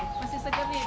ini masih segeri baru